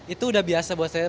itu udah biasa buat saya